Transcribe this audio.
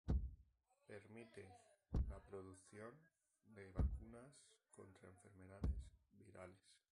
Permite la producción de vacunas contra enfermedades virales.